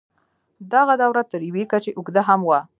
دغه دوره تر یوې کچې اوږده هم وه.